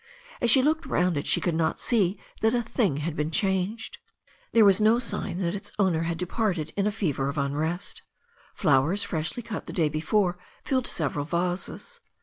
As she looked round it she could not see that a thing had been changed. There was no sign that its owner had de parted in a fever of unrest. Flowers freshly cut the day before filled several vases.